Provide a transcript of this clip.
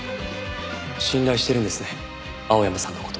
信頼してるんですね青山さんの事。